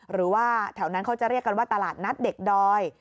หรือว่าแถวนั้นเขาจะเรียกกันว่าตลาดนัดเด็กดอย